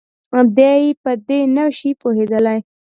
دی په دې نه شي پوهېدلی.